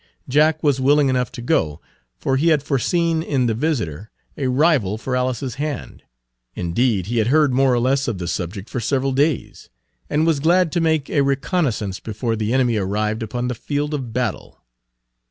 Jack was willing enough to go, for he had foreseen in the visitor a rival for Alice's hand, indeed he had heard more or less of the subject for several days, and was glad to make a reconnaissance before the enemy arrived upon the field of battle.